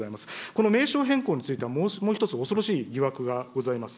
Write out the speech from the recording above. この名称変更についてはもう一つ、恐ろしい疑惑がございます。